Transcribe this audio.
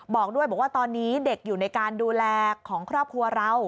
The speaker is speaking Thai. บอกด้วยบอกว่าตอนนี้เด็กอยู่ในการดูแลของครอบครัวเรา